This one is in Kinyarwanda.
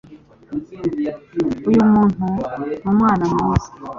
uyu muntu ni umwana mwiza